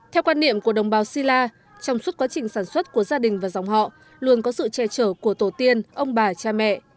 theo quan niệm của đồng bào si la trong suốt quá trình sản xuất của gia đình và dòng họ luôn có sự che chở của tổ tiên ông bà cha mẹ